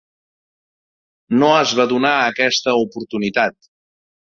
No es va donar aquesta oportunitat.